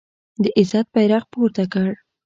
د عزت بیرغ پورته کړ